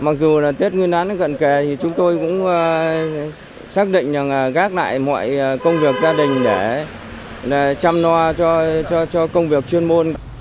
mặc dù là tiết nguyên án gần kề thì chúng tôi cũng xác định gác lại mọi công việc gia đình để chăm lo cho công việc chuyên môn